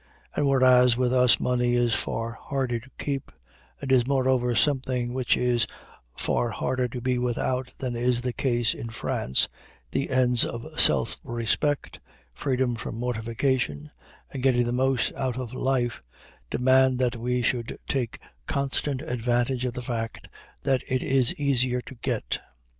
And whereas with us money is far harder to keep, and is moreover something which it is far harder to be without than is the case in France, the ends of self respect, freedom from mortification, and getting the most out of life, demand that we should take constant advantage of the fact that it is easier to get.